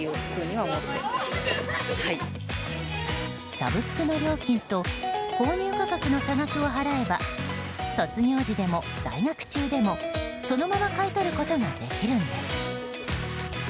サブスクの料金と購入価格の差額を払えば卒業時でも在学中でも、そのまま買い取ることができるんです。